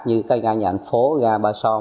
như cây ga nhà ảnh phố ga ba son